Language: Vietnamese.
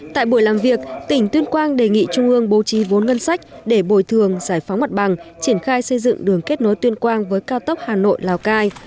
tại buổi làm việc tỉnh tuyên quang đề nghị trung ương bố trí vốn ngân sách để bồi thường giải phóng mặt bằng triển khai xây dựng đường kết nối tuyên quang với cao tốc hà nội lào cai